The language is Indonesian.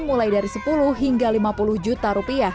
mulai dari rp sepuluh hingga rp lima puluh juta